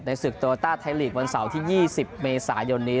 ศึกโตโลต้าไทยลีกวันเสาร์ที่๒๐เมษายนนี้